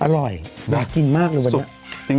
อร่อยอยากกินมากเลยวันนี้